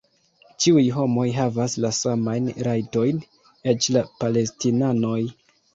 Ĉiuj homoj havas la samajn rajtojn... eĉ la palestinanoj!